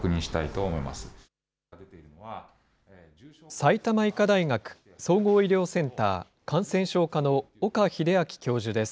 埼玉医科大学総合医療センター感染症科の岡秀昭教授です。